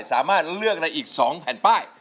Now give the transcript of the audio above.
สามารถเลือกได้อีก๒แผ่นป้าย